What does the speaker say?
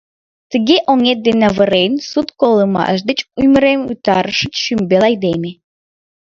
Тыге оҥет ден авырен, Сут колымаш деч ӱмырем Утарышыч, шӱмбел айдеме.